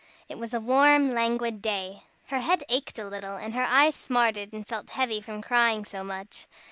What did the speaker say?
It was a warm, languid day. Her head ached a little, and her eyes smarted and felt heavy from crying so much.